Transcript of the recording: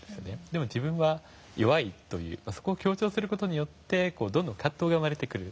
でも自分は弱いというそこを強調する事によってどんどん葛藤が生まれてくる。